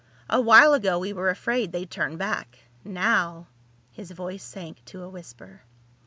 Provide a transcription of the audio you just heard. A while ago we were afraid they'd turn back. Now...." His voice sank to a whisper.